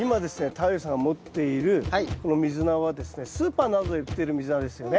太陽さんが持っているこのミズナはですねスーパーなどで売ってるミズナですよね。